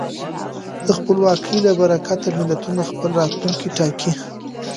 د خپلواکۍ له برکته ملتونه خپل راتلونکی ټاکي.